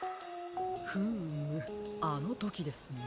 フームあのときですね。